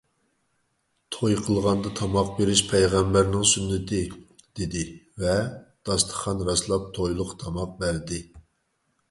— توي قىلغاندا تاماق بېرىش پەيغەمبەرنىڭ سۈننىتى، — دېدى ۋە داستىخان راسلاپ تويلۇق تاماق بەردى.